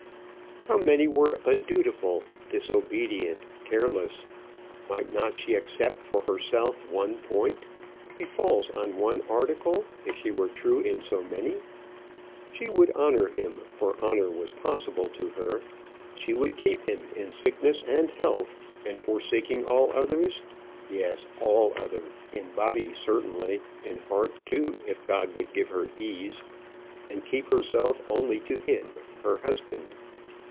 How many were undutiful, disobedient, careless? Might not she except for herself one point? be false on one article if she were true in so many? She would honour him, for honour was possible to her; she would keep him in sickness and health, and forsaking all other yes, all other, in body certainly, in heart too if God would give her ease and keep herself only to him, her husband.